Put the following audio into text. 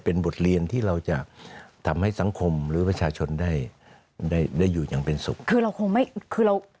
เป็นบทเรียนที่เราจะทำให้สังคมหรือประชาชนได้อยู่อย่างเป็นสุข